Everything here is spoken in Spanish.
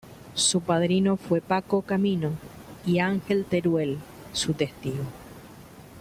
Su padrino fue Paco Camino y Ángel Teruel, su testigo.